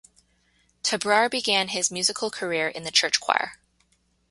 Tabrar began his musical career in the church choir.